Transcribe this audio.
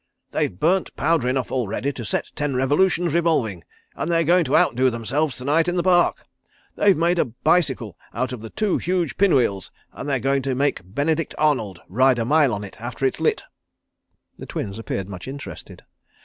"They've burnt powder enough already to set ten revolutions revolving, and they're going to outdo themselves to night in the park. They've made a bicycle out of the two huge pin wheels, and they're going to make Benedict Arnold ride a mile on it after it's lit." The Twins appeared much interested.